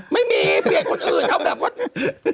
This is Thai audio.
ไม่มีเปลี่ยนคนอื่นเอาแบบว่า